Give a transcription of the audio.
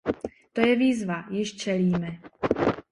To je výzva, jíž čelíme.